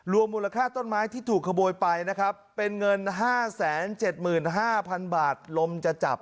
รวมมูลค่าต้นไม้ที่ถูกขโบยไปนะครับเป็นเงินห้าแสนเจ็ดหมื่นห้าพันบาทลมจะจับ